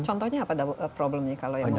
contohnya apa problemnya